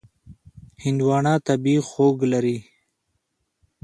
هندوانه طبیعي خوږ لري.